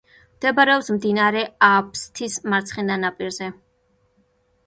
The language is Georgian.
მდებარეობს მდინარე ააფსთის მარცხენა ნაპირზე.